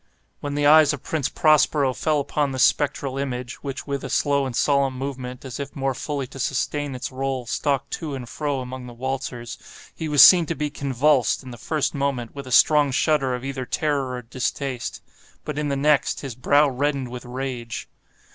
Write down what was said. When the eyes of Prince Prospero fell upon this spectral image (which with a slow and solemn movement, as if more fully to sustain its role, stalked to and fro among the waltzers) he was seen to be convulsed, in the first moment with a strong shudder either of terror or distaste; but, in the next, his brow reddened with rage.